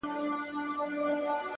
خپل سبا د نن په عمل جوړ کړئ،